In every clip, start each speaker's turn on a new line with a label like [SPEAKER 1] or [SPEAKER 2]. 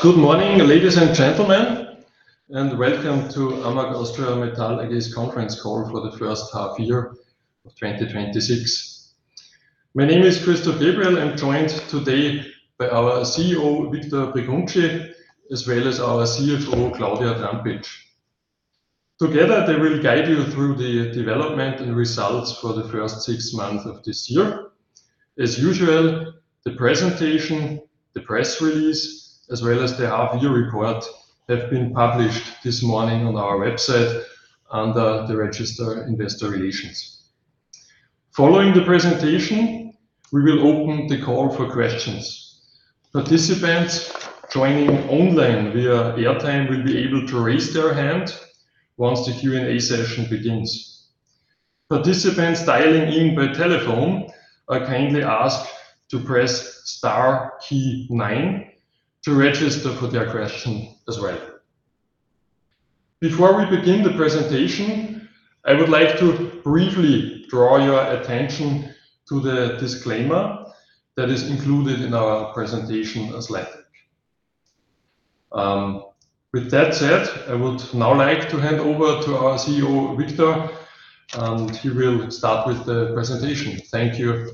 [SPEAKER 1] Good morning, ladies and gentlemen, and welcome to AMAG Austria Metall AG's Conference Call for the First Half Year of 2026. My name is Christoph Gabriel. I am joined today by our CEO, Victor Breguncci, as well as our CFO, Claudia Trampitsch. Together, they will guide you through the development and results for the first six months of this year. As usual, the presentation, the press release, as well as the half year report have been published this morning on our website under the register investor relations. Following the presentation, we will open the call for questions. Participants joining online via Airtime will be able to raise their hand once the Q&A session begins. Participants dialing in by telephone are kindly asked to press star key nine to register for their question as well. Before we begin the presentation, I would like to briefly draw your attention to the disclaimer that is included in our presentation slide deck. With that said, I would now like to hand over to our CEO, Victor, he will start with the presentation. Thank you.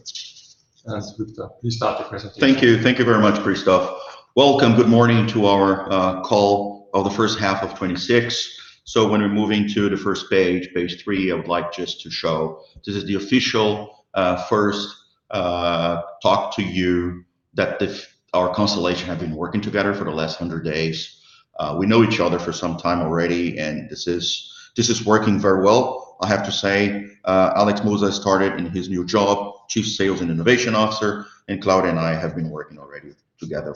[SPEAKER 1] Yes, Victor, please start the presentation.
[SPEAKER 2] Thank you very much, Christoph. Welcome. Good morning to our call of the first half of 2026. When we are moving to the first page three, I would like just to show this is the official first talk to you that our constellation have been working together for the last 100 days. We know each other for some time already, and this is working very well, I have to say. Alex Moser started in his new job, Chief Strategy & Innovation Officer, and Claudia and I have been working already together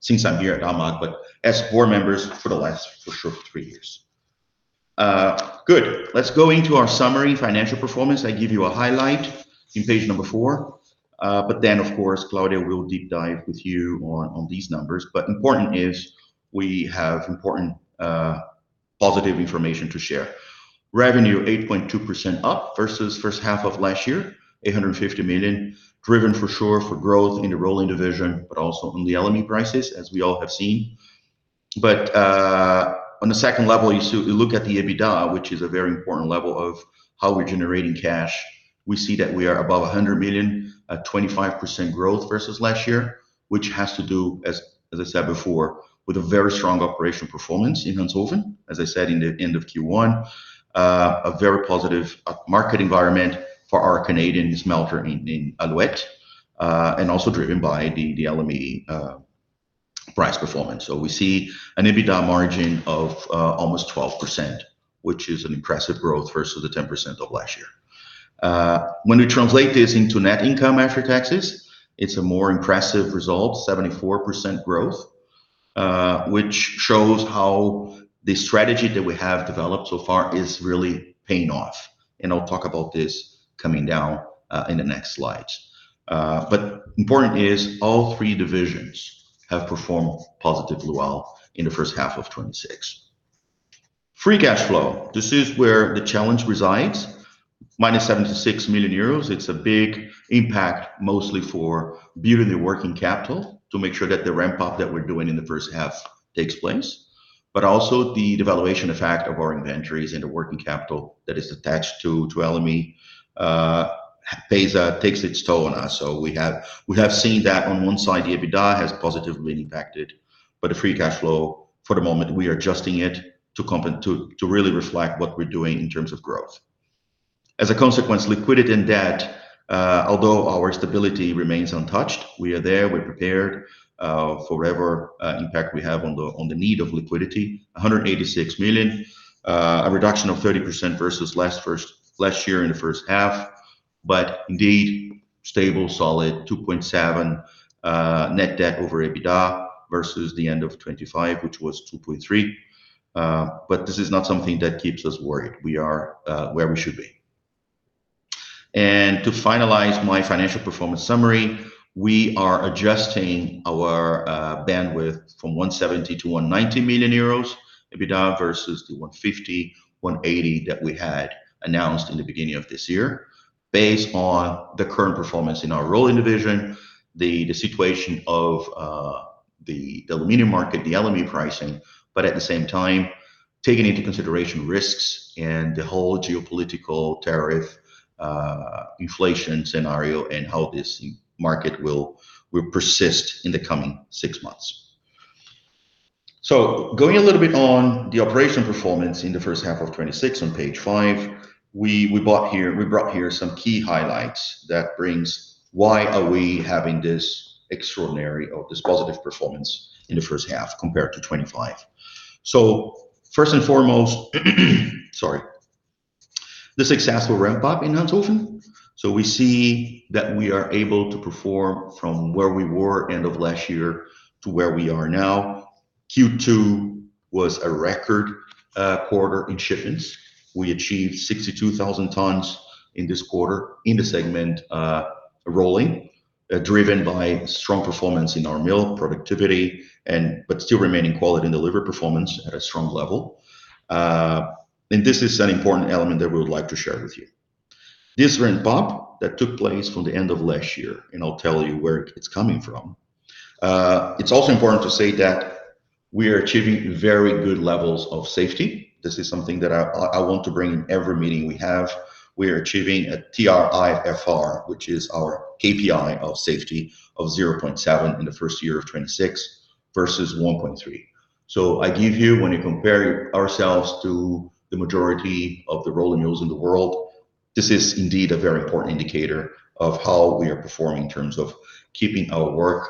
[SPEAKER 2] since I am here at AMAG, but as core members for the last, for sure, three years. Good. Let us go into our summary financial performance. I give you a highlight in page number four, then, of course, Claudia will deep dive with you on these numbers. Important is we have important positive information to share. Revenue 8.2% up versus first half of last year, 850 million, driven for sure for growth in the Rolling Division, also in the LME prices, as we all have seen. On the second level, you look at the EBITDA, which is a very important level of how we are generating cash. We see that we are above 100 million, a 25% growth versus last year, which has to do, as I said before, with a very strong operational performance in Ranshofen, as I said in the end of Q1. A very positive market environment for our Canadian smelter in Alouette, also driven by the LME price performance. We see an EBITDA margin of almost 12%, which is an impressive growth versus the 10% of last year. When we translate this into net income after taxes, it's a more impressive result, 74% growth, which shows how the strategy that we have developed so far is really paying off, and I'll talk about this coming down in the next slides. Important is all three divisions have performed positively well in the first half of 2026. Free cash flow, this is where the challenge resides. Minus 76 million euros, it's a big impact, mostly for building the working capital to make sure that the ramp-up that we're doing in the first half takes place, but also the devaluation effect of our inventories and the working capital that is attached to LME takes its toll on us. We have seen that on one side, EBITDA has positively impacted, but the free cash flow, for the moment, we are adjusting it to really reflect what we're doing in terms of growth. As a consequence, liquidity and debt, although our stability remains untouched, we are there, we're prepared for whatever impact we have on the need of liquidity. 186 million, a reduction of 30% versus last year in the first half, but indeed, stable, solid 2.7 net debt over EBITDA versus the end of 2025, which was 2.3. This is not something that keeps us worried. We are where we should be. To finalize my financial performance summary, we are adjusting our bandwidth from 170 million to 190 million euros EBITDA versus the 150 million-180 million that we had announced in the beginning of this year based on the current performance in our Rolling Division, the situation of the aluminum market, the LME pricing, but at the same time, taking into consideration risks and the whole geopolitical tariff inflation scenario and how this market will persist in the coming six months. Going a little bit on the operation performance in the first half of 2026 on page five, we brought here some key highlights. That brings why are we having this extraordinary or this positive performance in the first half compared to 2025. First and foremost, sorry, the successful ramp-up in Ranshofen. We see that we are able to perform from where we were end of last year to where we are now. Q2 was a record quarter in shipments. We achieved 62,000 tons in this quarter in the segment Rolling, driven by strong performance in our mill productivity, but still remaining quality delivery performance at a strong level. This is an important element that we would like to share with you. This ramp-up that took place from the end of last year, and I'll tell you where it's coming from. It's also important to say that we are achieving very good levels of safety. This is something that I want to bring in every meeting we have. We are achieving a TRIFR, which is our KPI of safety, of 0.7 in the first year of 2026 versus 1.3. I give you, when you compare ourselves to the majority of the rolling mills in the world, this is indeed a very important indicator of how we are performing in terms of keeping our work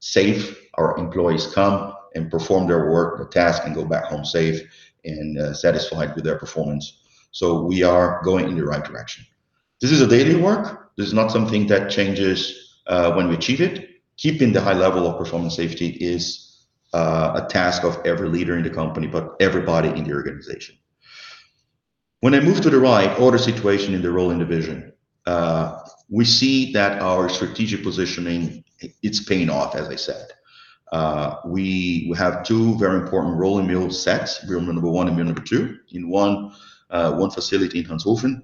[SPEAKER 2] safe. Our employees come and perform their work, their task, and go back home safe and satisfied with their performance. We are going in the right direction. This is a daily work. This is not something that changes when we achieve it. Keeping the high level of performance safety is a task of every leader in the company, but everybody in the organization. When I move to the right, order situation in the Rolling Division. We see that our strategic positioning, it's paying off, as I said. We have two very important rolling mill sets, rolling mill number one and mill number two, in one facility in Ranshofen,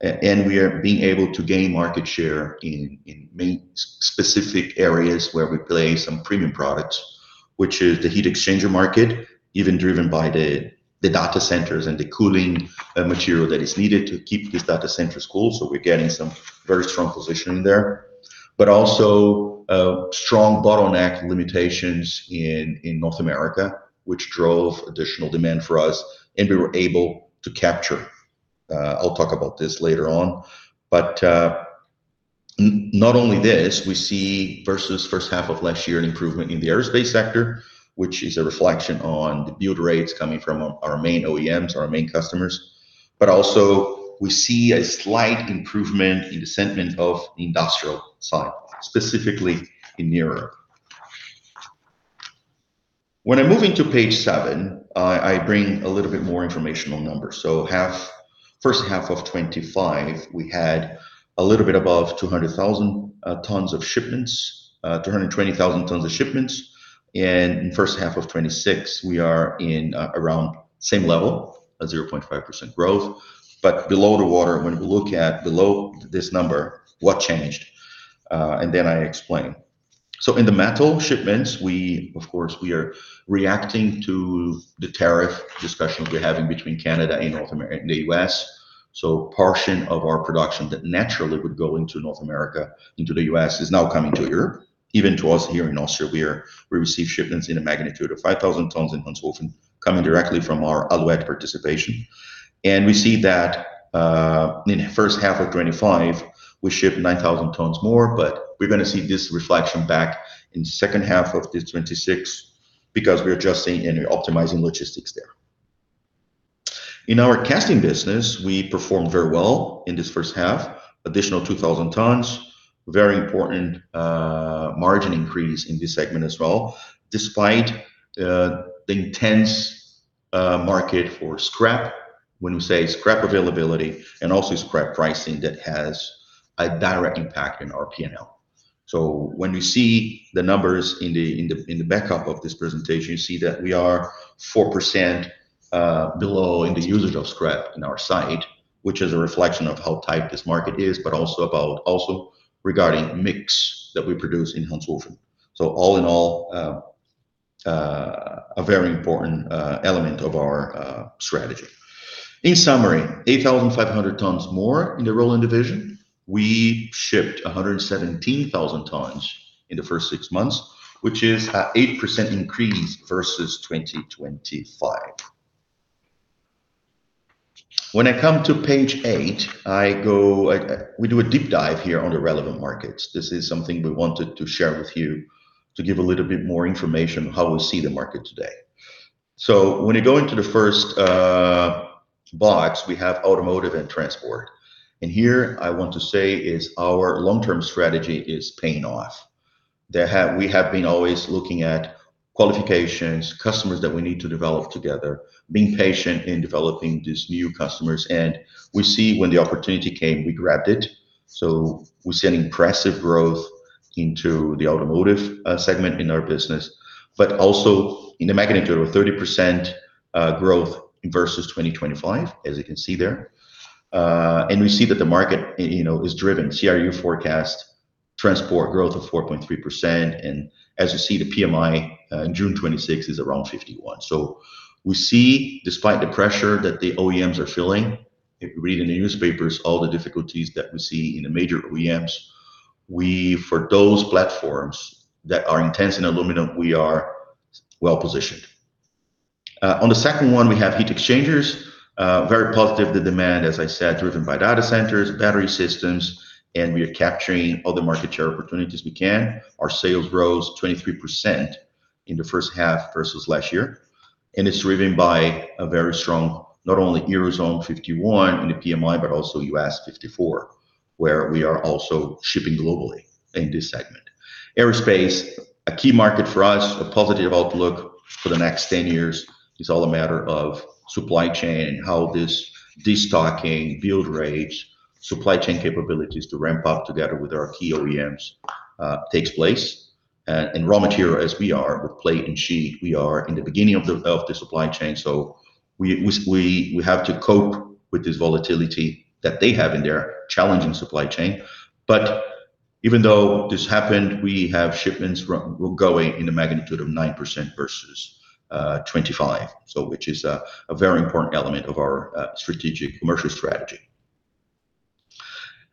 [SPEAKER 2] and we are being able to gain market share in main specific areas where we play some premium products, which is the heat exchanger market, even driven by the data centers and the cooling material that is needed to keep these data centers cool. We're getting some very strong positioning there. Also strong bottleneck limitations in North America, which drove additional demand for us and we were able to capture. I'll talk about this later on. Not only this, we see versus first half of last year, an improvement in the aerospace sector, which is a reflection on the build rates coming from our main OEMs, our main customers. Also we see a slight improvement in the sentiment of the industrial side, specifically in Europe. When I move into page seven, I bring a little bit more informational numbers. First half of 2025, we had a little bit above 200,000 tons of shipments, 220,000 tons of shipments, in first half of 2026, we are in around same level, a 0.5% growth. Below the water, when we look at below this number, what changed? I explain. In the metal shipments, of course, we are reacting to the tariff discussion we're having between Canada and the U.S. Portion of our production that naturally would go into North America, into the U.S., is now coming to Europe, even to us here in Austria, where we receive shipments in a magnitude of 5,000 tons in Ranshofen coming directly from our Alouette participation. We see that in first half of 2025, we shipped 9,000 tons more, we're going to see this reflection back in second half of this 2026 because we're adjusting and optimizing logistics there. In our Casting Division, we performed very well in this first half. Additional 2,000 tons. Very important margin increase in this segment as well, despite the intense market for scrap. When we say scrap availability and also scrap pricing, that has a direct impact in our P&L. When we see the numbers in the backup of this presentation, you see that we are 4% below in the usage of scrap in our site, which is a reflection of how tight this market is, but also regarding mix that we produce in Ranshofen. All in all, a very important element of our strategy. In summary, 8,500 tons more in the Rolling Division. We shipped 117,000 tons in the first six months, which is an 8% increase versus 2025. When I come to page eight, we do a deep dive here on the relevant markets. This is something we wanted to share with you to give a little bit more information on how we see the market today. When you go into the first box, we have automotive and transport. Here I want to say is our long-term strategy is paying off. That we have been always looking at qualifications, customers that we need to develop together, being patient in developing these new customers, and we see when the opportunity came, we grabbed it. We see an impressive growth into the automotive segment in our business, but also in the magnitude of 30% growth versus 2025, as you can see there. We see that the market is driven. CRU forecast transport growth of 4.3%, and as you see, the PMI in June 2026 is around 51. We see, despite the pressure that the OEMs are feeling, if you read in the newspapers all the difficulties that we see in the major OEMs, we, for those platforms that are intense in aluminum, we are well-positioned. On the second one, we have heat exchangers. Very positive, the demand, as I said, driven by data centers, battery systems, and we are capturing all the market share opportunities we can. Our sales rose 23% in the first half versus last year, and it's driven by a very strong, not only Eurozone 51 in the PMI, but also U.S. 54, where we are also shipping globally in this segment. Aerospace, a key market for us, a positive outlook for the next 10 years, is all a matter of supply chain and how this de-stocking, build rates, supply chain capabilities to ramp up together with our key OEMs takes place. In raw material, as we are with plate and sheet, we are in the beginning of the supply chain, so we have to cope with this volatility that they have in their challenging supply chain. Even though this happened, we have shipments going in the magnitude of 9% versus 2025, which is a very important element of our strategic commercial strategy.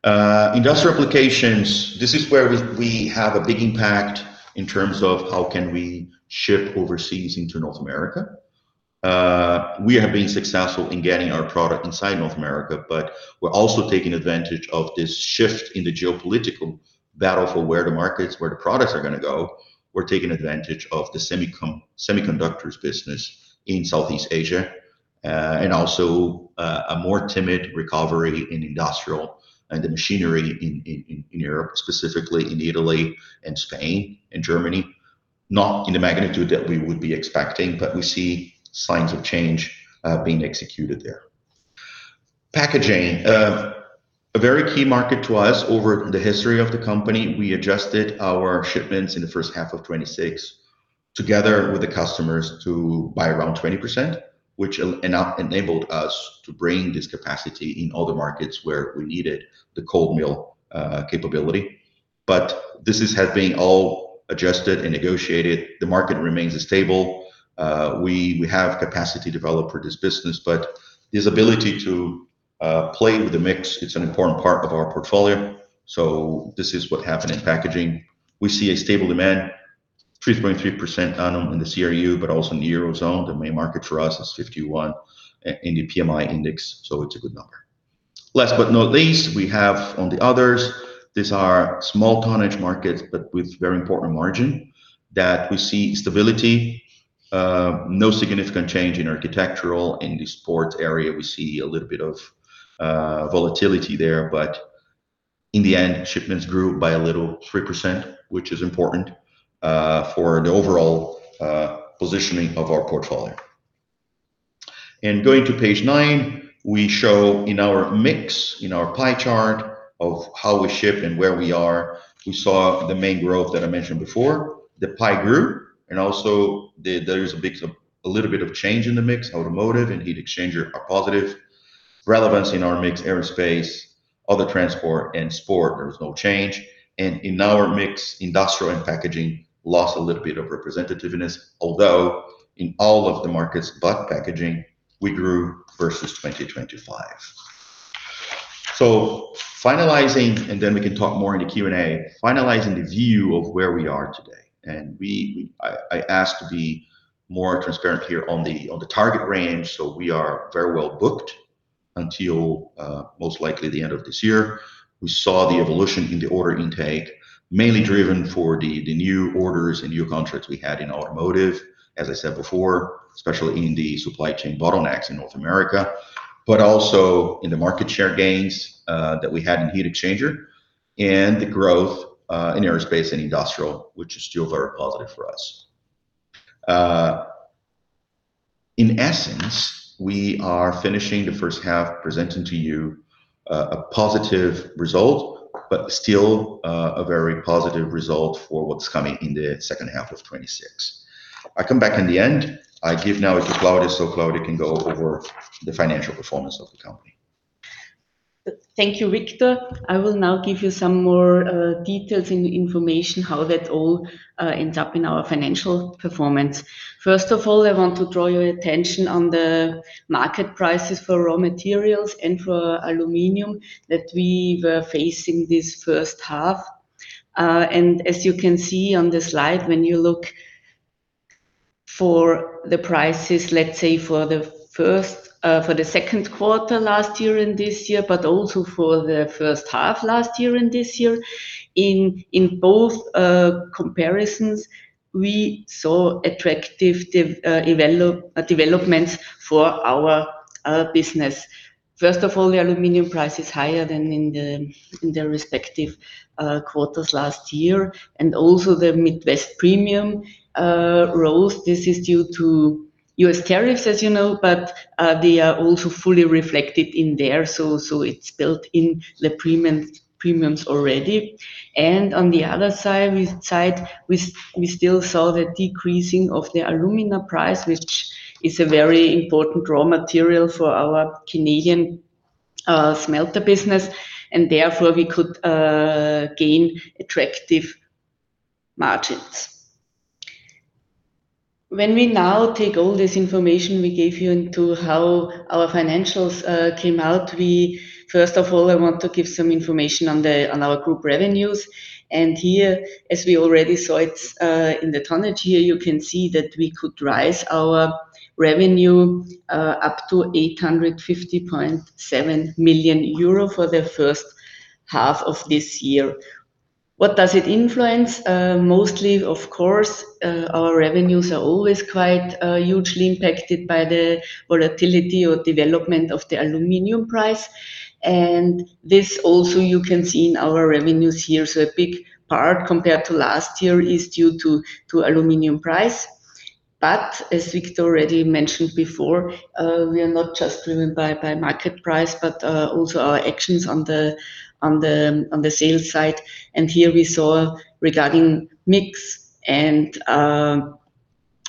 [SPEAKER 2] Industrial applications, this is where we have a big impact in terms of how can we ship overseas into North America. We have been successful in getting our product inside North America, but we're also taking advantage of this shift in the geopolitical battle for where the markets, where the products are going to go. We're taking advantage of the semiconductors business in Southeast Asia, and also a more timid recovery in industrial and the machinery in Europe, specifically in Italy and Spain and Germany. Not in the magnitude that we would be expecting, but we see signs of change being executed there. Packaging, a very key market to us over the history of the company. We adjusted our shipments in the first half of 2026, together with the customers, to by around 20%, which enabled us to bring this capacity in all the markets where we needed the cold mill capability. This has been all adjusted and negotiated. The market remains stable. We have capacity developed for this business, this ability to play with the mix, it's an important part of our portfolio. This is what happened in packaging. We see a stable demand, 3.3% annual in the CRU, but also in the Eurozone. The main market for us is 51 in the PMI index, it's a good number. Last but not least, we have on the others, these are small tonnage markets but with very important margin that we see stability, no significant change in architectural. In the sports area, we see a little bit of volatility there, but in the end, shipments grew by a little, 3%, which is important for the overall positioning of our portfolio. Going to page nine, we show in our mix, in our pie chart of how we ship and where we are, we saw the main growth that I mentioned before. The pie grew, also there is a little bit of change in the mix. Automotive and heat exchanger are positive. Relevance in our mix, aerospace, other transport and sport, there was no change. In our mix, industrial and packaging lost a little bit of representativeness, although in all of the markets, but packaging, we grew versus 2025. Finalizing, then we can talk more in the Q&A, finalizing the view of where we are today, I ask to be more transparent here on the target range. We are very well booked until most likely the end of this year. We saw the evolution in the order intake, mainly driven for the new orders and new contracts we had in automotive, as I said before, especially in the supply chain bottlenecks in North America, also in the market share gains that we had in heat exchanger and the growth in aerospace and industrial, which is still very positive for us. In essence, we are finishing the first half presenting to you a positive result, still a very positive result for what's coming in the second half of 2026. I come back in the end. I give now to Claudia can go over the financial performance of the company.
[SPEAKER 3] Thank you, Victor. I will now give you some more details and information how that all ends up in our financial performance. First of all, I want to draw your attention on the market prices for raw materials and for aluminum that we were facing this first half. As you can see on the slide, when you look for the prices, let's say for the second quarter last year and this year, also for the first half last year and this year, in both comparisons, we saw attractive developments for our business. First of all, the aluminum price is higher than in the respective quarters last year, also the Midwest premium rose. This is due to U.S. tariffs, as you know, they are also fully reflected in there, it's built in the premiums already. On the other side, we still saw the decreasing of the alumina price, which is a very important raw material for our Canadian smelter business, therefore we could gain attractive margins. We now take all this information we gave you into how our financials came out, first of all, I want to give some information on our group revenues. Here, as we already saw it in the tonnage here, you can see that we could rise our revenue up to 850.7 million euro for the first half of this year. What does it influence? Mostly, of course, our revenues are always quite hugely impacted by the volatility or development of the aluminum price. This also you can see in our revenues here. A big part compared to last year is due to aluminum price. As Victor already mentioned before, we are not just driven by market price, but also our actions on the sales side. Here we saw, regarding mix and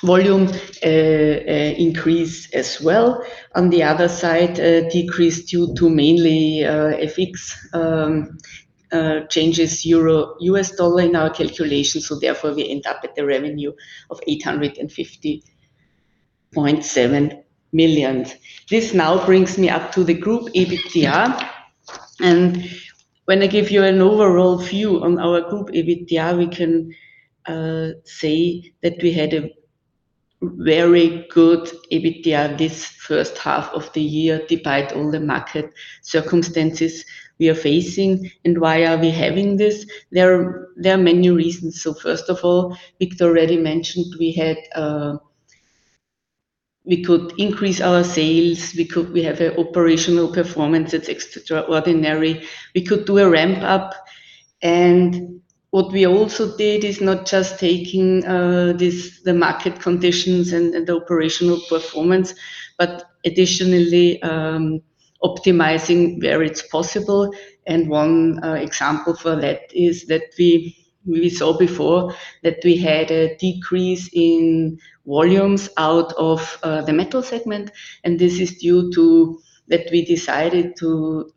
[SPEAKER 3] volume, increase as well. On the other side, a decrease due to mainly FX changes, EUR/USD in our calculations, therefore we end up at the revenue of 850.7 million. This now brings me up to the group EBITDA. When I give you an overall view on our group EBITDA, we can say that we had a very good EBITDA this first half of the year, despite all the market circumstances we are facing. Why are we having this? There are many reasons. First of all, Victor already mentioned we could increase our sales. We have an operational performance that's extraordinary. We could do a ramp-up. What we also did is not just taking the market conditions and the operational performance, but additionally optimizing where it's possible. One example for that is that we saw before that we had a decrease in volumes out of the Metal Division, this is due to that we decided to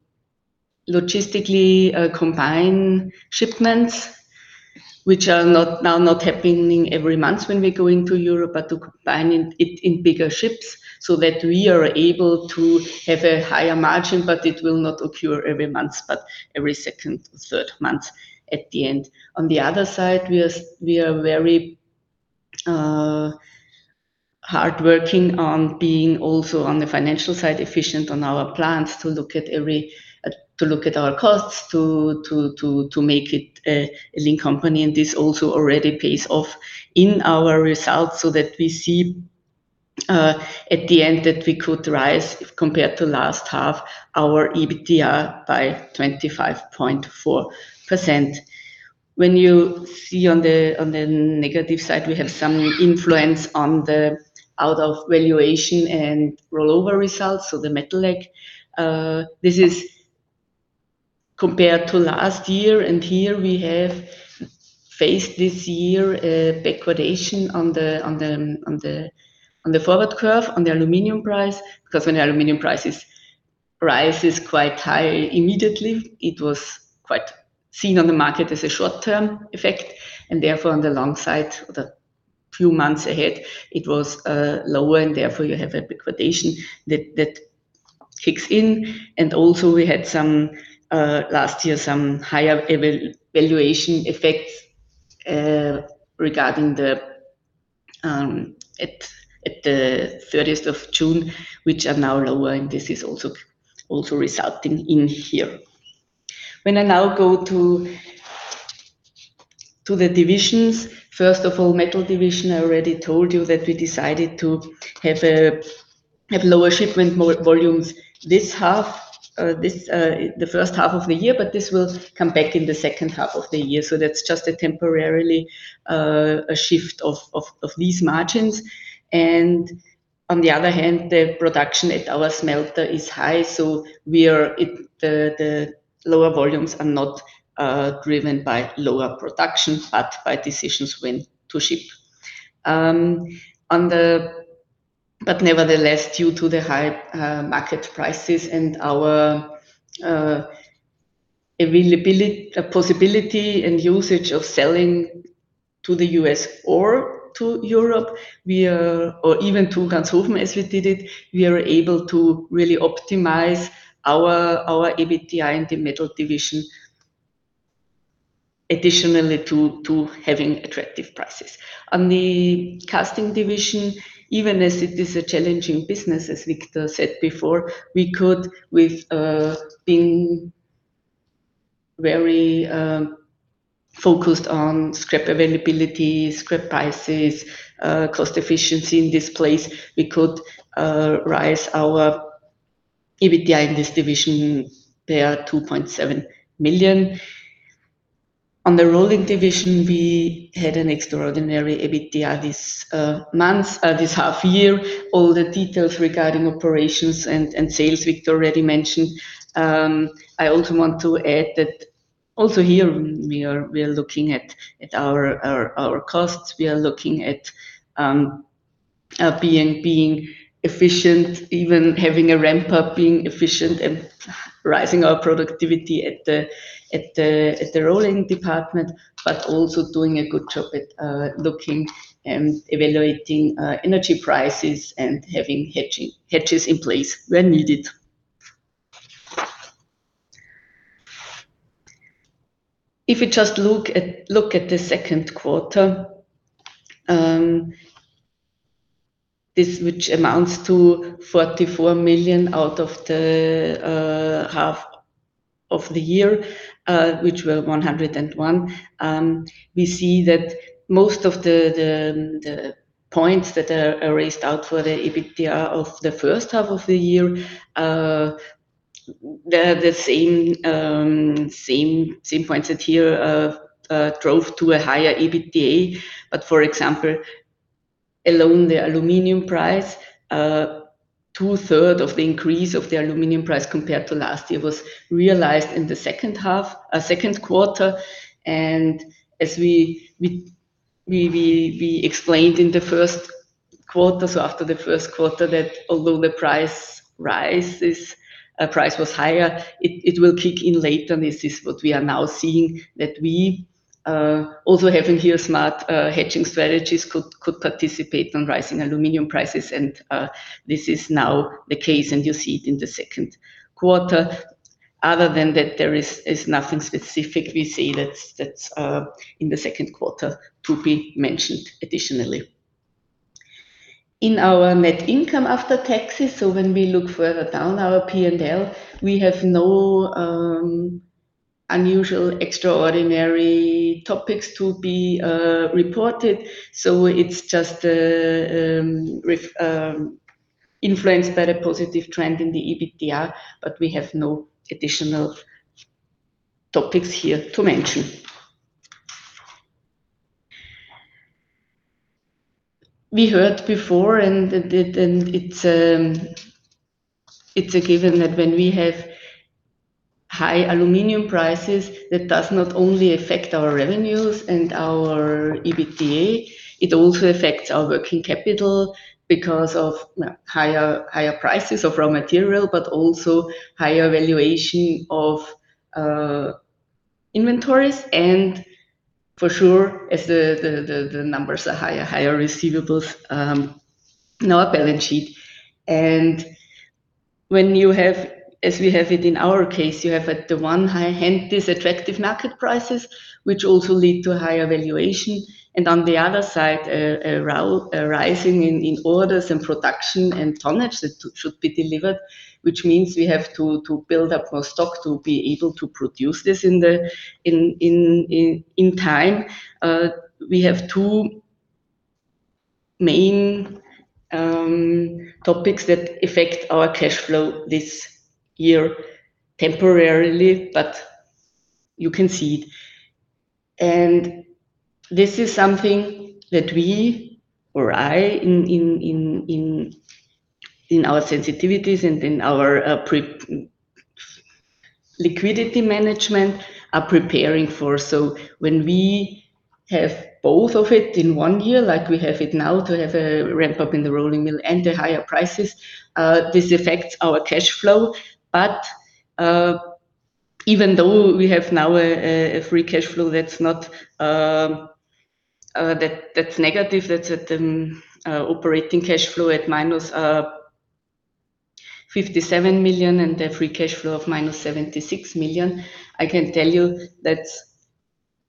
[SPEAKER 3] logistically combine shipments, which are now not happening every month when we're going to Europe, but to combine it in bigger ships that we are able to have a higher margin, but it will not occur every month, but every second or third month at the end. On the other side, we are very hard working on being also, on the financial side, efficient on our plans to look at our costs, to make it a lean company, this also already pays off in our results that we see at the end that we could rise, compared to last half, our EBITDA by 25.4%. When you see on the negative side, we have some influence on the out of valuation and rollover results. The metal lag. This is compared to last year, here we have faced this year a backwardation on the forward curve on the aluminum price, because when the aluminum price rises quite high immediately, it was quite seen on the market as a short-term effect, therefore on the long side, the few months ahead, it was lower, therefore you have a backwardation that kicks in. Also we had last year, some higher valuation effects regarding the 30th of June, which are now lower, this is also resulting in here. I now go to the divisions. First of all, Metal Division, I already told you that we decided to have lower shipment volumes the first half of the year, but this will come back in the second half of the year. That's just temporarily a shift of these margins. On the other hand, the production at our smelter is high, the lower volumes are not driven by lower production, but by decisions when to ship. Nevertheless, due to the high market prices and our possibility and usage of selling to the U.S. or to Europe, or even to Ranshofen as we did it, we are able to really optimize our EBITDA in the Metal Division additionally to having attractive prices. On the Casting Division, even as it is a challenging business, as Victor said before, we could, with being very focused on scrap availability, scrap prices, cost efficiency in this place, we could rise our EBITDA in this division by 2.7 million. On the Rolling Division, we had an extraordinary EBITDA this half year. All the details regarding operations and sales Victor already mentioned. I also want to add that also here we are looking at our costs. We are looking at being efficient, even having a ramp-up, being efficient and rising our productivity at the rolling department, also doing a good job at looking and evaluating energy prices and having hedges in place when needed. If you just look at the second quarter, this, which amounts to 44 million out of the half of the year, which were 101, we see that most of the points that are raised out for the EBITDA of the first half of the year are the same points that here drove to a higher EBITDA. For example, alone, the aluminum price, 2/3 of the increase of the aluminum price compared to last year was realized in the second quarter. As we explained in the first quarter, so after the first quarter, that although the price was higher, it will kick in later. This is what we are now seeing, that we, also having here smart hedging strategies, could participate on rising aluminum prices. This is now the case, and you see it in the second quarter. Other than that, there is nothing specific we see that's in the second quarter to be mentioned additionally. In our net income after taxes, when we look further down our P&L, we have no unusual, extraordinary topics to be reported. It's just influenced by the positive trend in the EBITDA, but we have no additional topics here to mention. It's a given that when we have high aluminum prices, that does not only affect our revenues and our EBITDA, it also affects our working capital because of higher prices of raw material, but also higher valuation of inventories. For sure, as the numbers are higher receivables in our balance sheet. As we have it in our case, you have at the one hand, these attractive market prices, which also lead to higher valuation, and on the other side, a rising in orders and production and tonnage that should be delivered, which means we have to build up more stock to be able to produce this in time. We have two main topics that affect our cash flow this year temporarily, but you can see it. This is something that we or I, in our sensitivities and in our liquidity management, are preparing for. When we have both of it in one year, like we have it now, to have a ramp-up in the rolling mill and the higher prices, this affects our cash flow. Even though we have now a free cash flow that's negative, that's at an operating cash flow at -57 million and a free cash flow of -76 million, I can tell you that's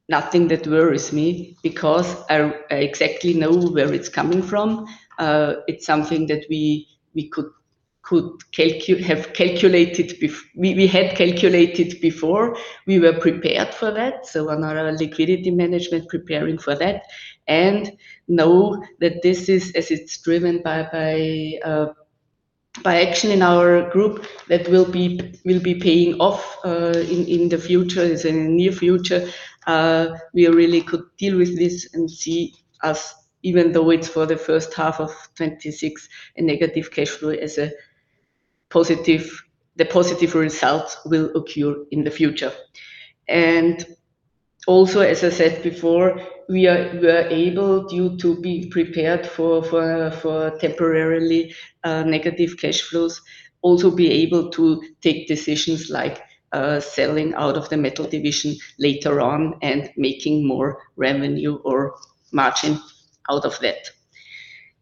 [SPEAKER 3] nothing that worries me, because I exactly know where it's coming from. It's something that we had calculated before. We were prepared for that. On our liquidity management preparing for that, and know that this is as it's driven by action in our group that will be paying off in the future, is in near future. We really could deal with this and see as even though it's for the first half of 2026, a negative cash flow as the positive results will occur in the future. Also, as I said before, we are able to be prepared for temporarily negative cash flows, also be able to take decisions like selling out of the Metal Division later on and making more revenue or margin out of that.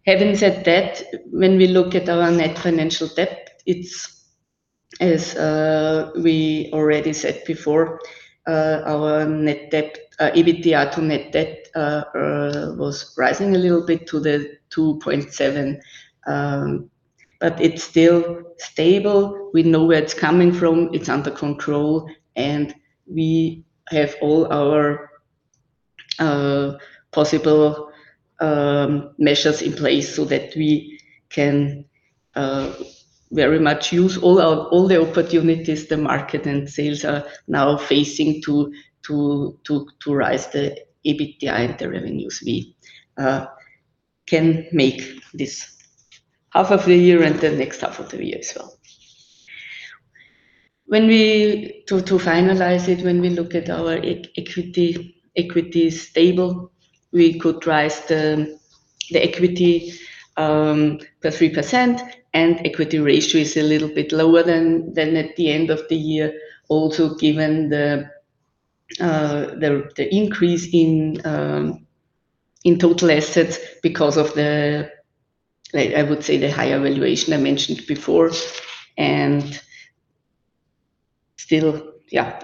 [SPEAKER 3] Having said that, when we look at our net financial debt, it's as we already said before, our EBITDA to net debt was rising a little bit to the 2.7, but it's still stable. We know where it's coming from. It's under control, and we have all our possible measures in place so that we can very much use all the opportunities the market and sales are now facing to rise the EBITDA and the revenues. We can make this half of the year and the next half of the year as well. To finalize it, when we look at our equities table, we could rise the equity by 3%. Equity ratio is a little bit lower than at the end of the year. Also, given the increase in total assets because of the, I would say, the higher valuation I mentioned before, and still,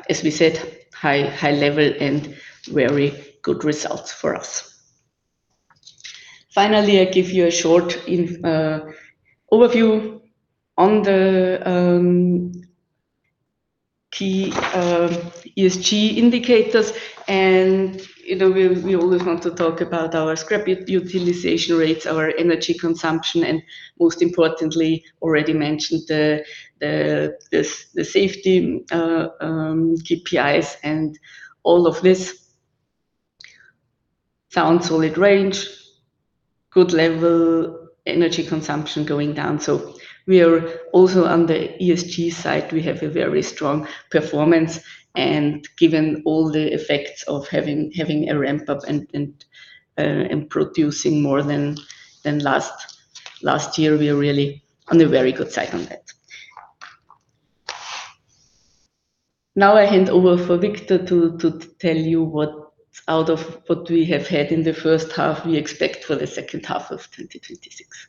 [SPEAKER 3] as we said, high level and very good results for us. Finally, I give you a short overview on the key ESG indicators. We always want to talk about our scrap utilization rates, our energy consumption, and most importantly, already mentioned the safety KPIs and all of this. Sound solid range, good level, energy consumption going down. We are also on the ESG side, we have a very strong performance, and given all the effects of having a ramp up and producing more than last year, we are really on a very good side on that. I'll hand over for Victor to tell you what out of what we have had in the first half we expect for the second half of 2026.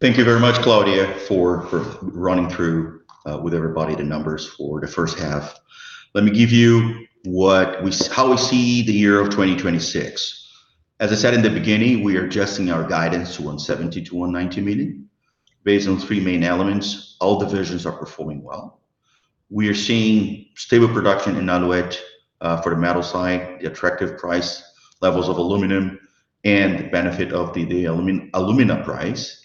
[SPEAKER 2] Thank you very much, Claudia, for running through with everybody the numbers for the first half. Let me give you how we see the year of 2026. As I said in the beginning, we are adjusting our guidance to 170 million-190 million based on three main elements. All divisions are performing well. We are seeing stable production in Alouette for the Metal Division, the attractive price levels of aluminum, and the benefit of the alumina price,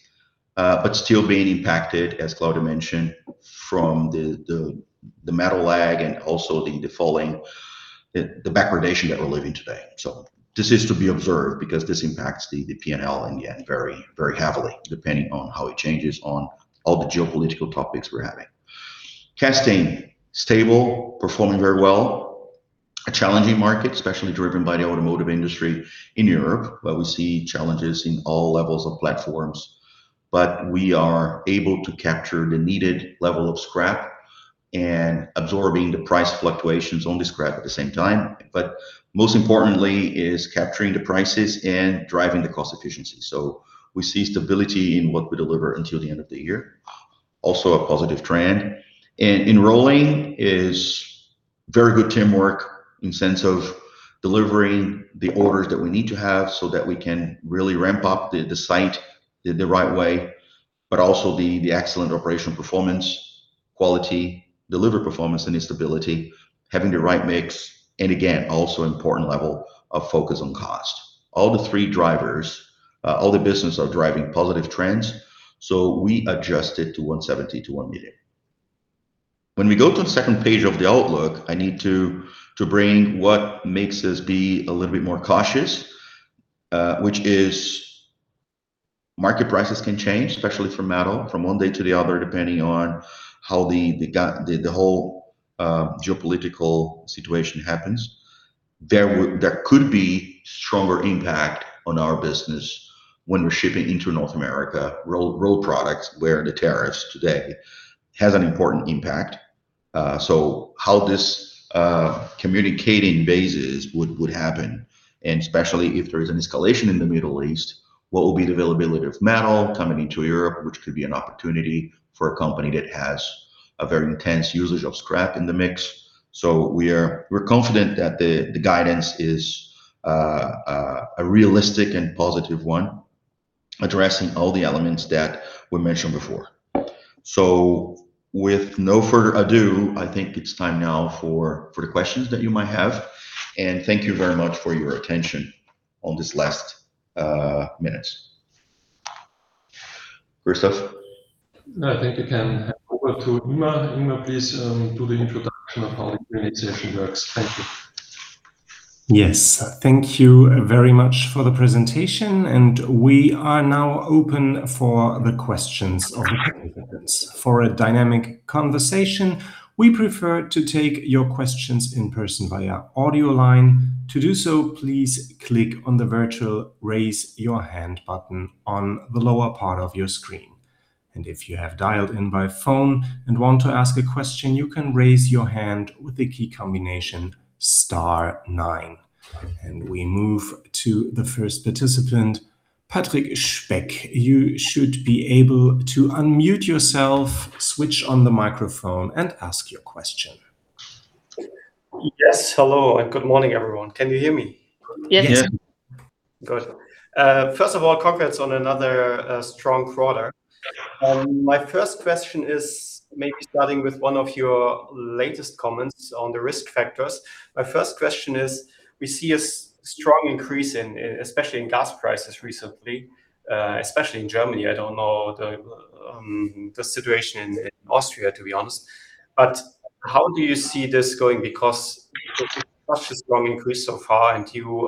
[SPEAKER 2] but still being impacted, as Claudia mentioned, from the metal lag and also the falling, the backwardation that we're living today. This is to be observed because this impacts the P&L in the end very heavily, depending on how it changes on all the geopolitical topics we're having. Casting Division, stable, performing very well. A challenging market, especially driven by the automotive industry in Europe, we see challenges in all levels of platforms. We are able to capture the needed level of scrap and absorbing the price fluctuations on the scrap at the same time. Most importantly is capturing the prices and driving the cost efficiency. We see stability in what we deliver until the end of the year. Also a positive trend. In Rolling Division is very good teamwork in sense of delivering the orders that we need to have so that we can really ramp up the site the right way, also the excellent operational performance, quality, deliver performance and stability, having the right mix, and again, also important level of focus on cost. All the three drivers, all the business are driving positive trends. We adjusted to 170 million-190 million. When we go to the second page of the outlook, I need to bring what makes us be a little bit more cautious, which is market prices can change, especially for metal from one day to the other, depending on how the whole geopolitical situation happens. There could be stronger impact on our business when we're shipping into North America, rolled products, where the tariffs today has an important impact. How this communicating bases would happen, and especially if there is an escalation in the Middle East, what will be the availability of metal coming into Europe, which could be an opportunity for a company that has a very intense usage of scrap in the mix. We're confident that the guidance is a realistic and positive one, addressing all the elements that were mentioned before. With no further ado, I think it's time now for the questions that you might have, and thank you very much for your attention on this last minutes. Christoph?
[SPEAKER 1] I think you can hand over to Ingmar. Ingmar, please do the introduction of how the realization works. Thank you.
[SPEAKER 4] Thank you very much for the presentation, and we are now open for the questions of the participants. For a dynamic conversation, we prefer to take your questions in person via audio line. To do so, please click on the virtual Raise Your Hand button on the lower part of your screen. If you have dialed in by phone and want to ask a question, you can raise your hand with the key combination star nine. We move to the first participant, Patrick Speck. You should be able to unmute yourself, switch on the microphone, and ask your question.
[SPEAKER 5] Hello, and good morning, everyone. Can you hear me?
[SPEAKER 3] Yes.
[SPEAKER 5] Good. First of all, congrats on another strong quarter. My first question is maybe starting with one of your latest comments on the risk factors. We see a strong increase, especially in gas prices recently, especially in Germany. I don't know the situation in Austria, to be honest. How do you see this going? Because such a strong increase so far, and you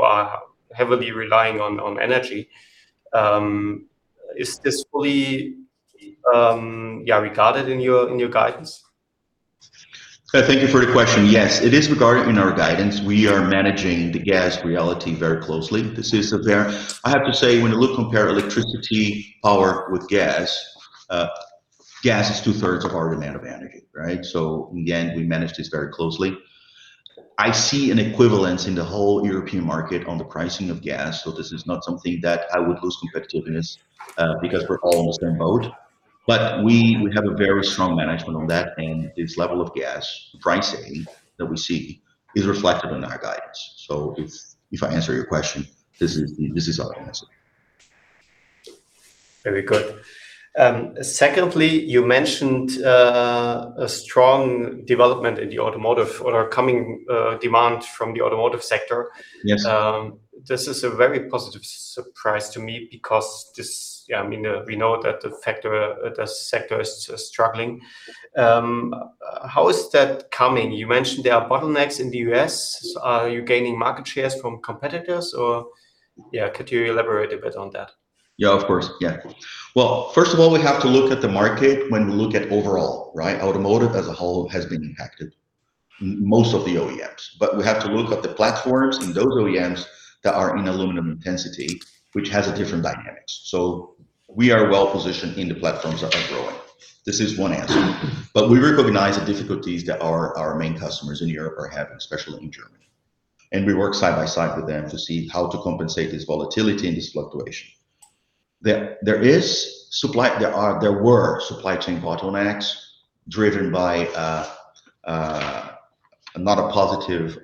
[SPEAKER 5] are heavily relying on energy. Is this fully regarded in your guidance?
[SPEAKER 2] Thank you for the question. Yes, it is regarded in our guidance. We are managing the gas reality very closely. This is there. I have to say, when you compare electricity power with gas is 2/3 of our demand of energy, right? Again, we manage this very closely. I see an equivalence in the whole European market on the pricing of gas. This is not something that I would lose competitiveness because we're all almost in boat. We have a very strong management on that, and this level of gas pricing that we see is reflected in our guidance. If I answer your question, this is our answer.
[SPEAKER 5] Very good. Secondly, you mentioned a strong development in the automotive or coming demand from the automotive sector.
[SPEAKER 2] Yes.
[SPEAKER 5] This is a very positive surprise to me because we know that the sector is struggling. How is that coming? You mentioned there are bottlenecks in the U.S. Are you gaining market shares from competitors, or could you elaborate a bit on that?
[SPEAKER 2] Yeah, of course. Well, first of all, we have to look at the market when we look at overall, right? Automotive as a whole has been impacted, most of the OEMs. We have to look at the platforms in those OEMs that are in aluminum intensity, which has a different dynamic. We are well positioned in the platforms that are growing. This is one answer, but we recognize the difficulties that our main customers in Europe are having, especially in Germany. We work side by side with them to see how to compensate this volatility and this fluctuation. There were supply chain bottlenecks driven by not a positive,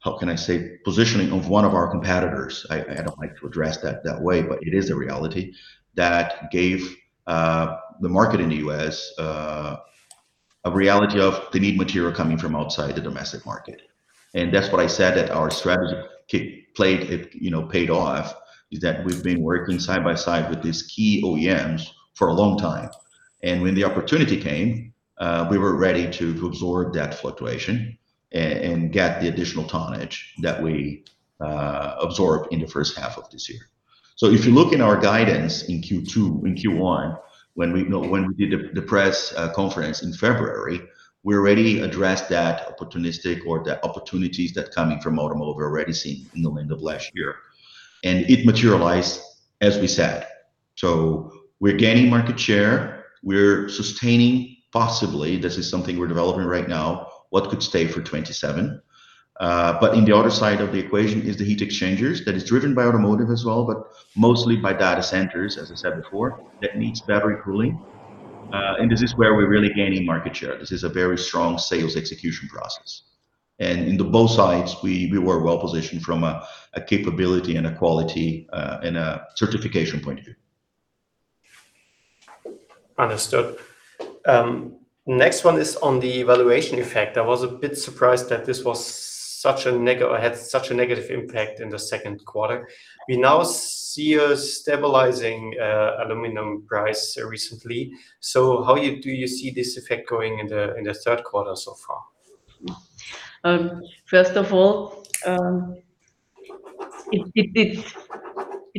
[SPEAKER 2] how can I say, positioning of one of our competitors. I don't like to address that that way, but it is a reality that gave the market in the U.S. a reality of the need material coming from outside the domestic market. That's what I said, that our strategy paid off, is that we've been working side by side with these key OEMs for a long time. When the opportunity came, we were ready to absorb that fluctuation and get the additional tonnage that we absorbed in the first half of this year. If you look in our guidance in Q2, in Q1, when we did the press conference in February, we already addressed that opportunistic or the opportunities that coming from automotive we already seen in the end of last year, and it materialized as we said. We're gaining market share, we're sustaining possibly, this is something we're developing right now, what could stay for 2027. In the other side of the equation is the heat exchangers. That is driven by automotive as well, but mostly by data centers, as I said before, that needs battery cooling. This is where we're really gaining market share. This is a very strong sales execution process. In the both sides, we were well positioned from a capability and a quality, and a certification point of view.
[SPEAKER 5] Understood. Next one is on the valuation effect. I was a bit surprised that this had such a negative impact in the second quarter. We now see a stabilizing aluminum price recently. How do you see this effect going in the third quarter so far?
[SPEAKER 3] First of all,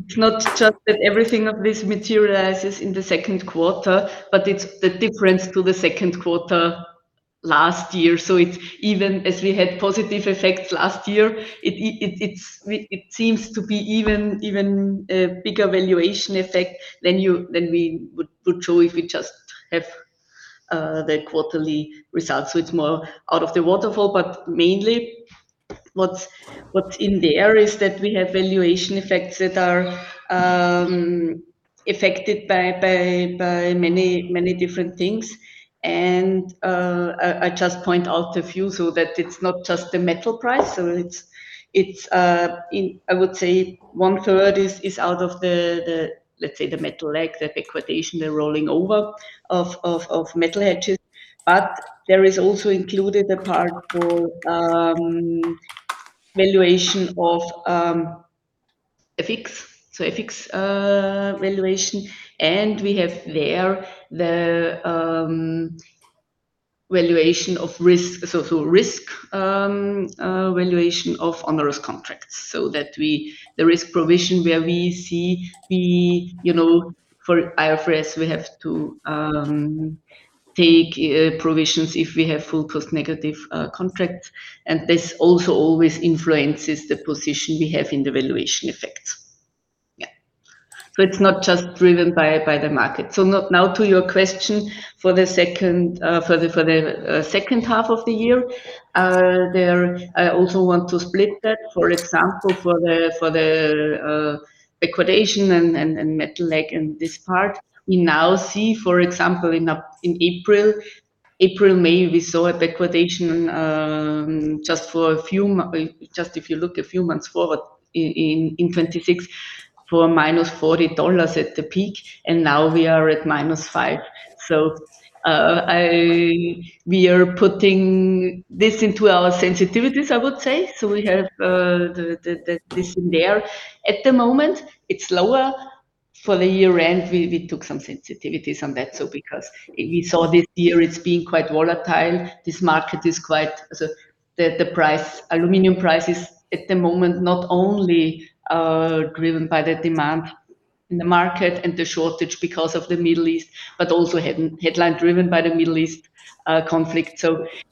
[SPEAKER 3] it's not just that everything of this materializes in the second quarter, but it's the difference to the second quarter last year. Even as we had positive effects last year, it seems to be even a bigger valuation effect than we would show if we just have the quarterly results, so it's more out of the waterfall. Mainly what's in the air is that we have valuation effects that are affected by many different things. I just point out a few so that it's not just the metal price. I would say 1/3 is out of the metal lag, the liquidation, the rolling over of metal hedges. But there is also included a part for valuation of FX, and we have there the risk valuation of onerous contracts. The risk provision where we see for IFRS, we have to take provisions if we have full cost negative contracts, and this also always influences the position we have in the valuation effects. Yeah. It's not just driven by the market. Now to your question for the second half of the year, I also want to split that, for example, for the liquidation and metal lag in this part. We now see, for example, in April, May, we saw a liquidation, just if you look a few months forward in 2026, for EUR -40 at the peak, and now we are at -5. We are putting this into our sensitivities, I would say. We have this in there. At the moment, it's lower. For the year-end, we took some sensitivities on that. Because we saw this year it's been quite volatile. This market is quite. The aluminum price is, at the moment, not only driven by the demand in the market and the shortage because of the Middle East, but also headline driven by the Middle East conflict.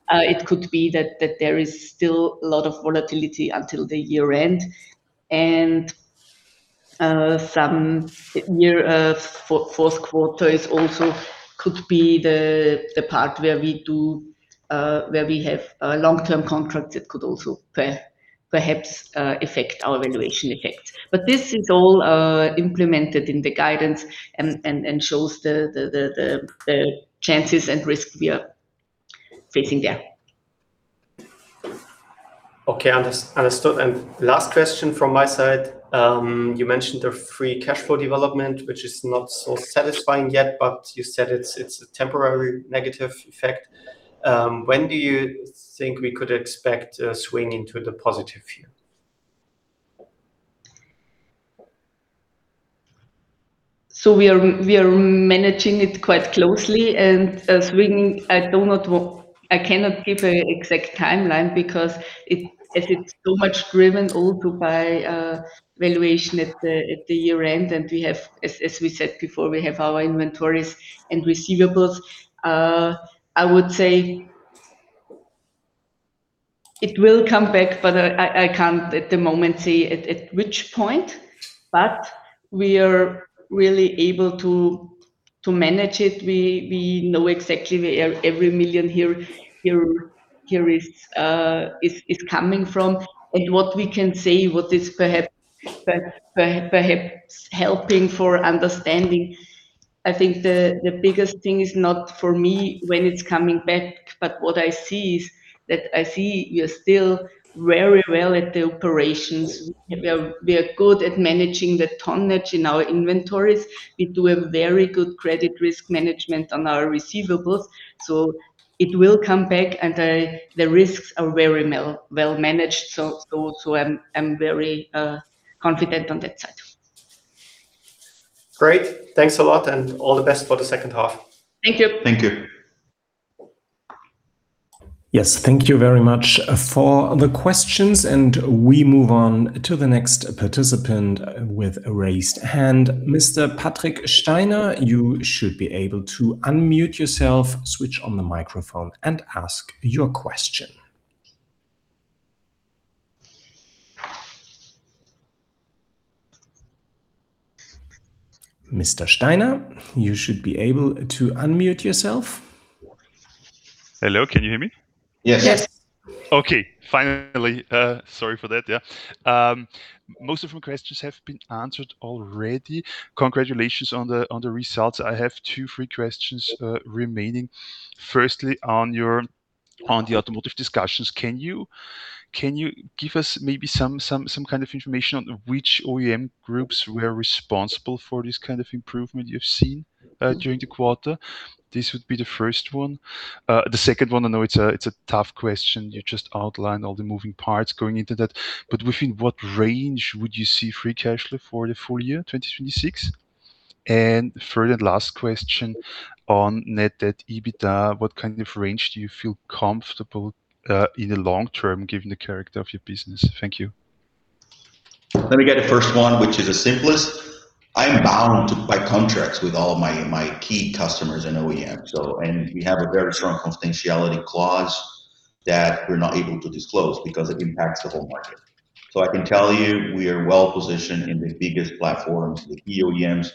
[SPEAKER 3] It could be that there is still a lot of volatility until the year end. Some near fourth quarter is also could be the part where we have long-term contracts that could also perhaps affect our valuation effect. This is all implemented in the guidance and shows the chances and risk we are facing there.
[SPEAKER 5] Okay, understood. Last question from my side. You mentioned the free cash flow development, which is not so satisfying yet, but you said it's a temporary negative effect. When do you think we could expect a swing into the positive here?
[SPEAKER 3] We are managing it quite closely and swinging. I cannot give an exact timeline because as it's so much driven all to by valuation at the year-end, and as we said before, we have our inventories and receivables. I would say it will come back, but I can't at the moment say at which point. We are really able to manage it. We know exactly where every 1 million here is coming from. What we can say, what is perhaps helping for understanding, I think the biggest thing is not for me when it's coming back, but what I see is that I see we are still very well at the operations. We are good at managing the tonnage in our inventories. We do a very good credit risk management on our receivables. It will come back and the risks are very well managed. Also, I'm very confident on that side.
[SPEAKER 5] Great. Thanks a lot and all the best for the second half.
[SPEAKER 3] Thank you.
[SPEAKER 2] Thank you.
[SPEAKER 4] Yes, thank you very much for the questions. We move on to the next participant with a raised hand. Mr. Patrick Steiner, you should be able to unmute yourself, switch on the microphone, and ask your question. Mr. Steiner, you should be able to unmute yourself.
[SPEAKER 6] Hello, can you hear me?
[SPEAKER 2] Yes.
[SPEAKER 6] Okay. Finally. Sorry for that, yeah. Most of my questions have been answered already. Congratulations on the results. I have two free questions remaining. Firstly, on the automotive discussions, can you give us maybe some kind of information on which OEM groups were responsible for this kind of improvement you've seen during the quarter? This would be the first one. The second one, I know it's a tough question, you just outlined all the moving parts going into that, but within what range would you see free cash flow for the full year 2026? Third and last question on net debt EBITDA, what kind of range do you feel comfortable in the long term, given the character of your business? Thank you.
[SPEAKER 2] Let me get the first one, which is the simplest. I am bound by contracts with all of my key customers and OEM. We have a very strong confidentiality clause that we are not able to disclose because it impacts the whole market. I can tell you we are well-positioned in the biggest platforms with OEMs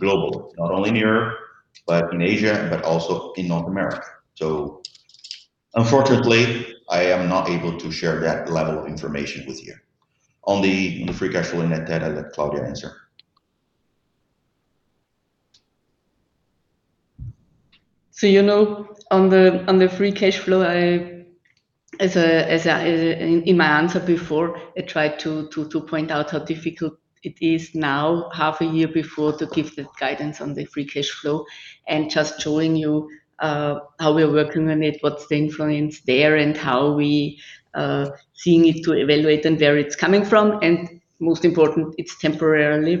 [SPEAKER 2] globally, not only in Europe, but in Asia, but also in North America. Unfortunately, I am not able to share that level of information with you. On the free cash flow and net debt, I let Claudia answer.
[SPEAKER 3] On the free cash flow, in my answer before, I tried to point out how difficult it is now, half a year before, to give the guidance on the free cash flow and just showing you how we are working on it, what's the influence there, and how we are seeing it to evaluate and where it is coming from. Most important, it is temporarily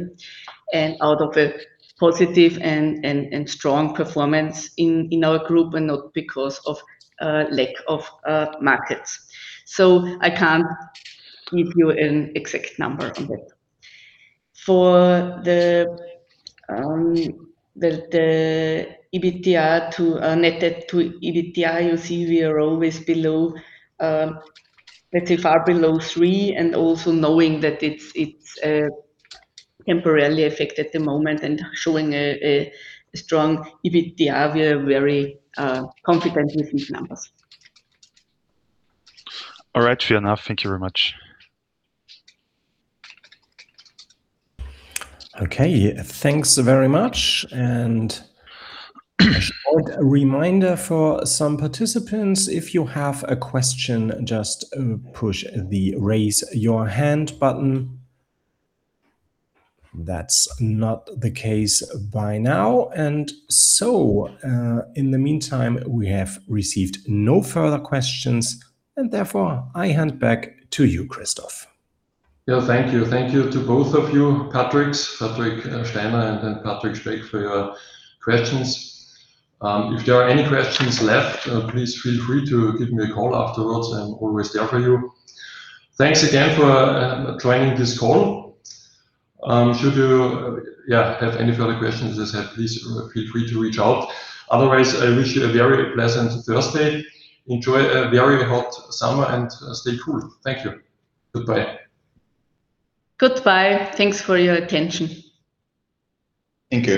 [SPEAKER 3] and out of a positive and strong performance in our group and not because of lack of markets. I cannot give you an exact number on that. For the net debt to EBITDA, you see we are always below, let's say far below three, and also knowing that it is temporarily affected at the moment and showing a strong EBITDA, we are very confident with these numbers.
[SPEAKER 6] All right, fair enough. Thank you very much.
[SPEAKER 4] Okay. Thanks very much. A short reminder for some participants, if you have a question, just push the Raise Your Hand button. That is not the case by now. In the meantime, we have received no further questions, and therefore, I hand back to you, Christoph.
[SPEAKER 1] Yeah. Thank you. Thank you to both of you, Patrick Steiner and then Patrick Speck, for your questions. If there are any questions left, please feel free to give me a call afterwards. I'm always there for you. Thanks again for joining this call. Should you have any further questions, as I said, please feel free to reach out. Otherwise, I wish you a very pleasant Thursday. Enjoy a very hot summer and stay cool. Thank you. Goodbye.
[SPEAKER 3] Goodbye. Thanks for your attention.
[SPEAKER 2] Thank you.